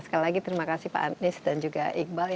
sekali lagi terima kasih pak anies dan juga iqbal